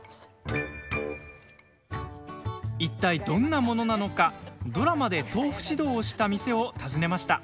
いったい、どんなものなのかドラマで豆腐指導をした店を訪ねました。